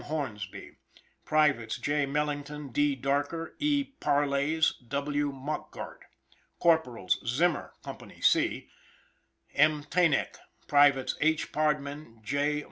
Hornsby: Privates J. Mellington, D. Darker, E. Parelays, W. Mockgart; Corporals Zimmer (Co. C), M. Taenaek; Privates H. Pardman, J.